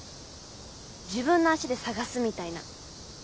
自分の足で探すみたいな。